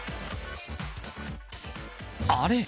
あれ？